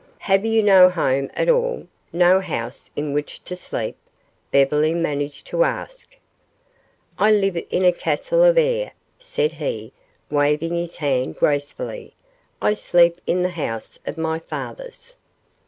"Have you no home at all no house in which to sleep?" Beverly managed to ask. "I live in a castle of air," said he, waving his hand gracefully. "I sleep in the house of my fathers."